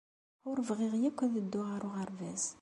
Ur bɣiɣ akk ad dduɣ ɣer uɣerbaz.